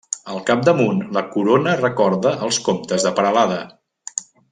Al capdamunt, la corona recorda els comtes de Peralada.